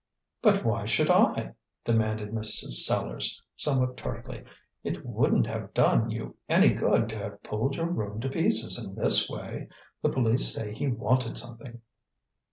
"But why should I?" demanded Mrs. Sellars, somewhat tartly. "It wouldn't have done you any good to have pulled your room to pieces in this way. The police say he wanted something."